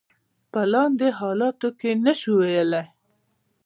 په لاندې حالاتو کې نشو ویلای.